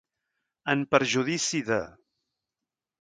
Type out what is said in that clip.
En perjudici de.